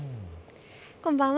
こんばんは。